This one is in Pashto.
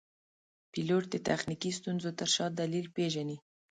پیلوټ د تخنیکي ستونزو تر شا دلیل پېژني.